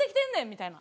みたいな。